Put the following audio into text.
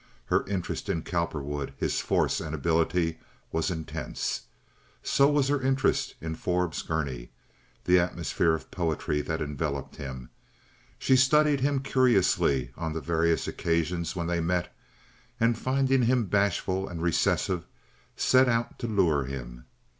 Her interest in Cowperwood, his force and ability, was intense. So was her interest in Forbes Gurney—the atmosphere of poetry that enveloped him. She studied him curiously on the various occasions when they met, and, finding him bashful and recessive, set out to lure him.